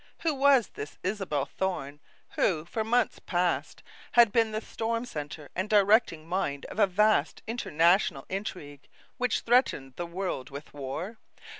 Who was this Isabel Thorne who, for months past, had been the storm center and directing mind of a vast international intrigue which threatened the world with war?